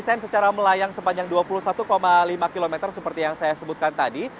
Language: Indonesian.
secara melayang sepanjang dua puluh satu lima km seperti yang saya sebutkan tadi